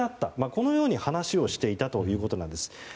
このように話をしていたということなんです。